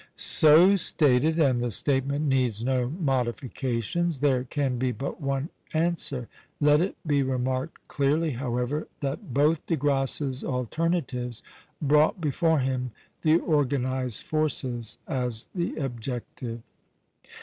So stated, and the statement needs no modifications, there can be but one answer. Let it be remarked clearly, however, that both De Grasse's alternatives brought before him the organized forces as the objective.